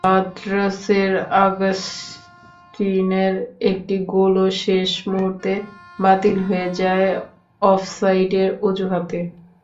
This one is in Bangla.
ব্রাদার্সের আগাস্টিনের একটি গোলও শেষ মুহূর্তে বাতিল হয়ে যায় অফসাইডের অজুহাতে।